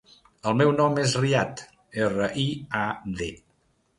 El meu nom és Riad: erra, i, a, de.